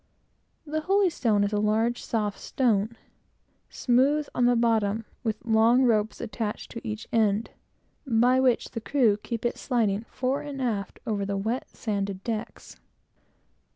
The holystone is a large, soft stone, smooth on the bottom, with long ropes attached to each end, by which the crew keep it sliding fore and aft, over the wet, sanded decks.